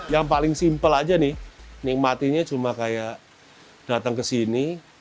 yang paling simpel aja nih nikmatinya cuma kayak datang ke sini